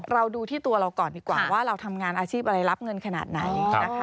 เราดูที่ตัวเราก่อนดีกว่าว่าเราทำงานอาชีพอะไรรับเงินขนาดไหนนะคะ